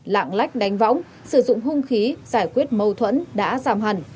lạng lách đánh võng sử dụng hung khí giải quyết mâu thuẫn đã giảm hẳn